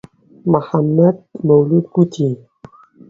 محەممەد مەولوود گوتی: